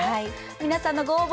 皆さんのご応募